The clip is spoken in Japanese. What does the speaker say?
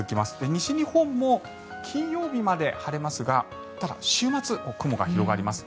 西日本も金曜日まで晴れますがただ、週末は雲が広がります。